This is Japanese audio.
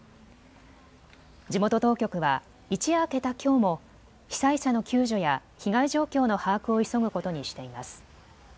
地元当局は一夜明けたきょうも被災者の救助や被害状況の把握を急ぐことにしています。